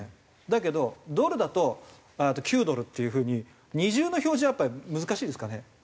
だけどドルだと９ドルっていう風に二重の表示はやっぱり難しいですかね。